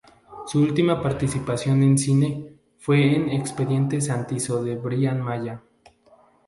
Su última participación en cine fue en Expediente Santiso de Brian Maya.